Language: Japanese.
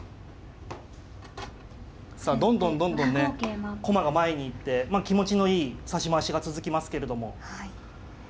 さあどんどんどんどんね駒が前に行って気持ちのいい指し回しが続きますけれども。